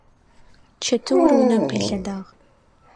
Чэтыур унэм къилъэдагъ.